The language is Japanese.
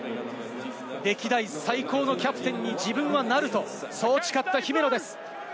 歴代最高のキャプテンに自分はなる、そう誓った姫野です。